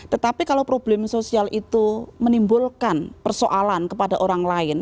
tetapi kalau problem sosial itu menimbulkan persoalan kepada orang lain